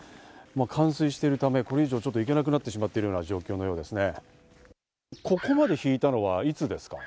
冠水しているため、これ以上はちょっと行けなくなってしまっているような状況のようですね。